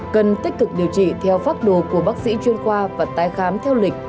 cần tích cực điều trị theo pháp đồ của bác sĩ chuyên khoa và tái khám theo lịch